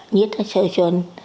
nhất là sơ xuân